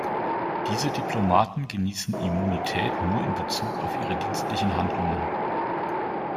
Diese Diplomaten genießen Immunität nur in Bezug auf ihre dienstlichen Handlungen.